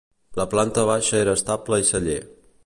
La planta baixa era estable i celler.